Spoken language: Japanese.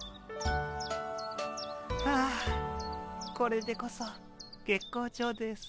ああこれでこそ月光町です。